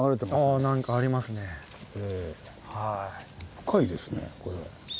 深いですねこれ。